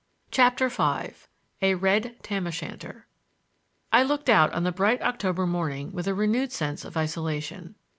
CHAPTER V A RED TAM O' SHANTER I looked out on the bright October morning with a renewed sense of isolation.